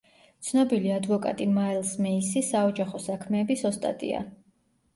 ცნობილი ადვოკატი მაილზ მეისი საოჯახო საქმეების ოსტატია.